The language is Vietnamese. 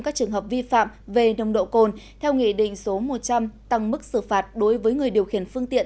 các trường hợp vi phạm về nồng độ cồn theo nghị định số một trăm linh tăng mức xử phạt đối với người điều khiển phương tiện